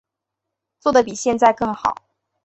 做得比现在更好